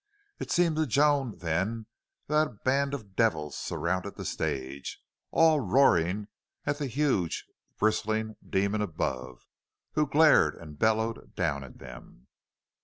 It seemed to Joan then that a band of devils surrounded the stage, all roaring at the huge, bristling demon above, who glared and bellowed down at them.